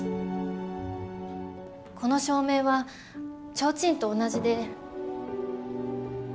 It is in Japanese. この照明は提灯と同じで。